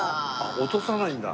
落とさないんだ。